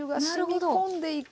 あなるほど！